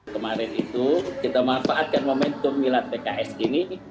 kemarin itu kita manfaatkan momentum milad pks ini